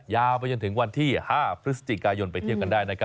ยาวไปถึงวันที่๕พฤศจิกายนไปเที่ยวกันกันได้